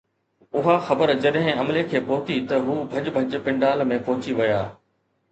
اها خبر جڏهن عملي کي پهتي ته هو ڀڄ ڀڄ پنڊال ۾ پهچي ويا